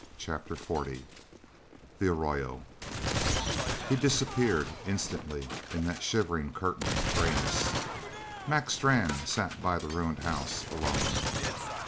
CHAPTER XL THE ARROYO He disappeared, instantly, in that shivering curtain of greyness. Mac Strann sat by the ruined house alone.